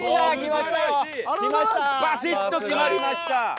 バシッと決まりました。